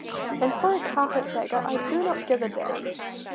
And for a Carpetbagger I do not give a damn.